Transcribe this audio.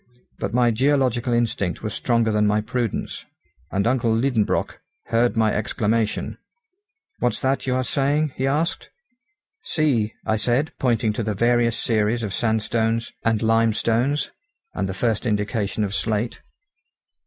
But my geological instinct was stronger than my prudence, and uncle Liedenbrock heard my exclamation. "What's that you are saying?" he asked. "See," I said, pointing to the varied series of sandstones and limestones, and the first indication of slate.